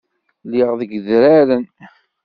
Lliɣ deg yedraren.